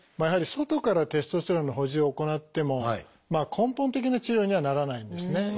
やはり外からテストステロンの補充を行っても根本的な治療にはならないんですね。